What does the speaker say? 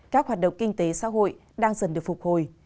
các hoạt động kinh tế xã hội đang dần được phục hồi